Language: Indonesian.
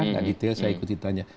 nggak detail saya ikutin tanya